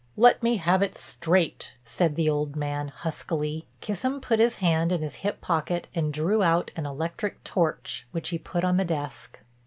Let me have it straight," said the old man huskily. Kissam put his hand in his hip pocket and drew out an electric torch which he put on the desk.